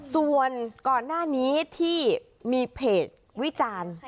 ส่วนก่อนหน้านี้ที่มีเพจวิจารณ์